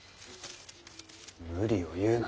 無理を言うな。